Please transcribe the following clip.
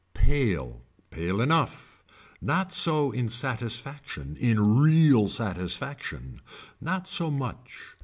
Pale. Pale enough. Not so in satisfaction, in real satisfaction. Not so much.